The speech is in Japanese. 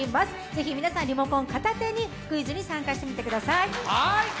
ぜひ皆さんリモコン片手にクイズに参加してみてください。